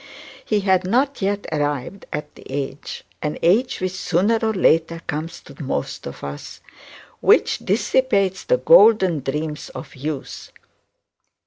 He had not yet arrived at the age, an age which sooner or later comes to most of us, which dissipates the golden dreams of youth.